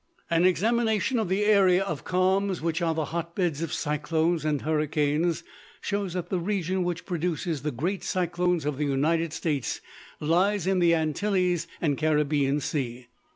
An examination of the areas of calms, which are the hot beds of cyclones and hurricanes, shows that the region which produces the great cyclones of the United States lies in the Antilles and Caribbean Sea.